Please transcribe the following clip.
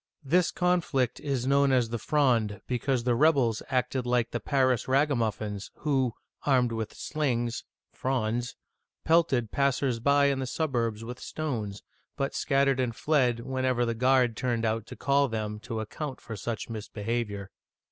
This conflict is known as the Fronde (fr6Nd) because the rebels acted like the Paris ragamuffins, who, armed with slings {frondes), pelted passers by in the suburbs with stones, but scattered and fled whenever the guard turned out to call them to account for such mis behavior.